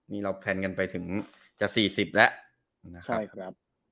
นี่เราแพลนกันไปถึงจะ๔๐แล้วนะครับ